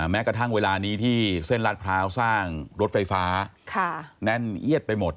แม้กระทั่งเวลานี้ที่เส้นลาดพร้าวสร้างรถไฟฟ้าแน่นเอียดไปหมด